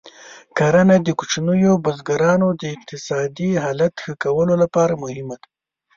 کرنه د کوچنیو بزګرانو د اقتصادي حالت ښه کولو لپاره مهمه ده.